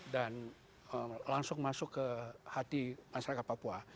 dan langsung masuk ke hati masyarakat papua